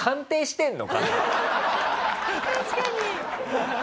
確かに。